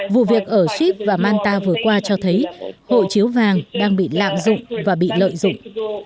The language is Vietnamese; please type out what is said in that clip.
vụ việc ở shib và manta vừa qua cho thấy hộ chiếu vàng đang bị lạm dụng và bị lợi dụng